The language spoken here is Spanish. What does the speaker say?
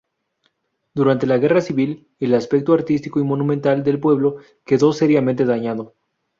Durante la guerra civil, el aspecto artístico y monumental del pueblo quedó seriamente dañado.